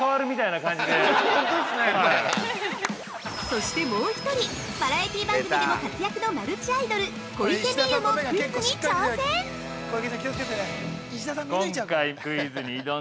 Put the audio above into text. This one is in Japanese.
◆そして、もう一人バラエティー番組でも活躍のマルチアイドル小池美由もクイズに挑戦。